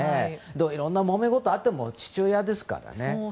いろんなもめごとがあっても父親ですからね。